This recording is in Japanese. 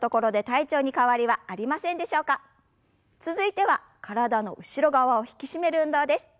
続いては体の後ろ側を引き締める運動です。